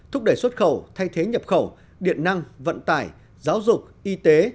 thúc đẩy xuất khẩu thay thế nhập khẩu điện năng vận tải giáo dục y tế